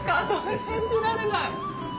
信じられない。